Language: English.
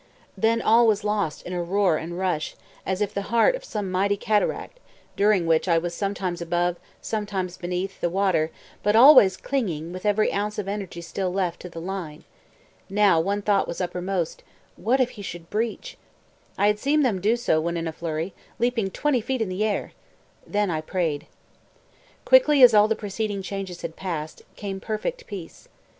Then all was lost in roar and rush, as of the heart of some mighty cataract, during which I was sometimes above, sometimes beneath, the water, but always clinging, with every ounce of energy still left, to the line. Now, one thought was uppermost "What if he should breach?" I had seen them do so when in flurry, leaping full twenty feet in the air. Then I prayed. Quickly as all the preceding changes had passed, came perfect peace.